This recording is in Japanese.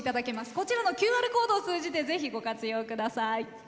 こちらのＱＲコードを通じてぜひ、ご活用ください。